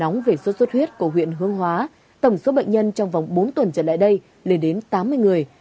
nóng về xuất xuất huyết của huyện hương hóa tổng số bệnh nhân trong vòng bốn tuần trở lại đây lên đến tám mươi người